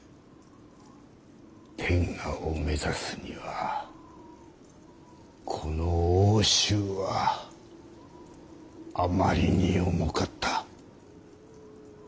天下を目指すにはこの奥州はあまりに重かった。